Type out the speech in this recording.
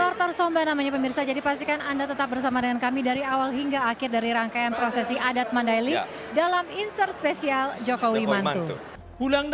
mortar somba namanya pemirsa jadi pastikan anda tetap bersama dengan kami dari awal hingga akhir dari rangkaian prosesi adat mandailing dalam insert spesial jokowi mantu